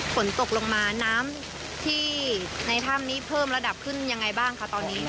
ฝนตกลงมาน้ำที่ในถ้ำนี้เพิ่มระดับขึ้นยังไงบ้างคะตอนนี้